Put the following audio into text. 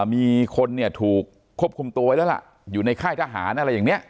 มีคนเนี่ยถูกควบคุมตัวไว้แล้วล่ะอยู่ในค่ายทหารอะไรอย่างนี้